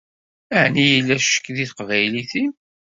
Ɛni yella ccek deg teqbaylit-im?